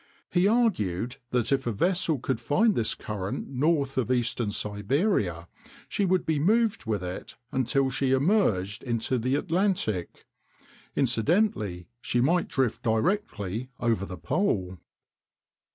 He argued that if a vessel could find this current north of eastern Siberia, she would be moved with it until she emerged into the Atlantic. Incidentally she might drift directly over the pole.